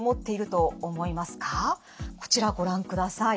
こちらご覧ください。